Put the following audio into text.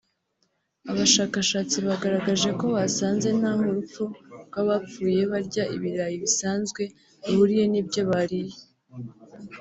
Abashakashatsi bagaragaje ko basanze ntaho urupfu rw’abapfuye barya ibirayi bisanzwe ruhuriye n’ibyo bariye